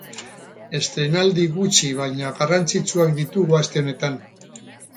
Estreinaldi gutxi baina garrantzitsuak ditugu aste honetan.